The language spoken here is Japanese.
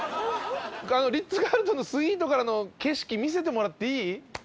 リッツ・カールトンのスイートからの景色見せてもらっていい？